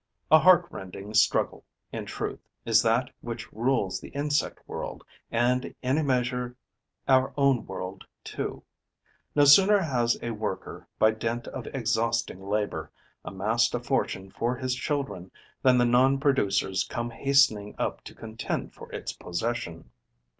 A heart rending struggle, in truth, is that which rules the insect world and in a measure our own world too. No sooner has a worker, by dint of exhausting labour, amassed a fortune for his children than the non producers come hastening up to contend for its possession.